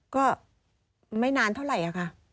ก็ไม่นานเท่าไหร่ค่ะ